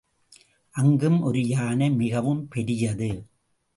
அங்கும் ஒரு யானை, மிகவும் பெரியது.